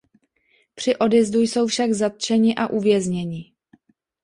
Při odjezdu jsou však zatčeni a uvězněni.